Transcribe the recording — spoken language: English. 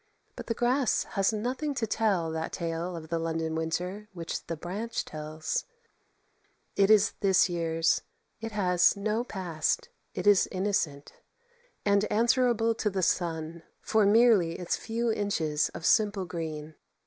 But the grass has nothing to tell that tale of the London winter which the branch tells; it is this year's; it has no past; it is innocent, and answerable to the sun for merely its few inches of simple green.